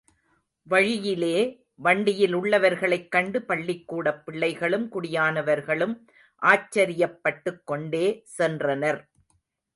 வழியிலே வண்டியிலுள்ளவர்களைக் கண்டு பள்ளிக்கூடப் பிள்ளைகளும் குடியானவர்களும் ஆச்சரியப்பட்டுக்கொண்டே சென்றனர்.